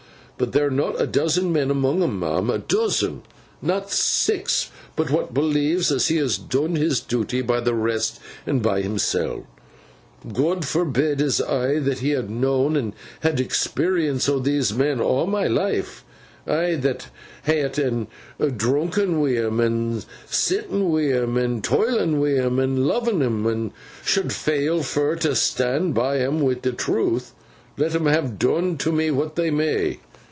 But there's not a dozen men amoong 'em, ma'am—a dozen? Not six—but what believes as he has doon his duty by the rest and by himseln. God forbid as I, that ha' known, and had'n experience o' these men aw my life—I, that ha' ett'n an' droonken wi' 'em, an' seet'n wi' 'em, and toil'n wi' 'em, and lov'n 'em, should fail fur to stan by 'em wi' the truth, let 'em ha' doon to me what they may!